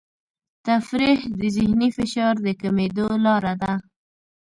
تفریح د ذهني فشار د کمېدو لاره ده.